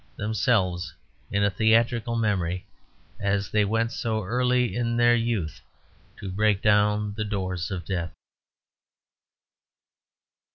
themselves in a theatrical memory, as they went so early in their youth to break down the doors of death.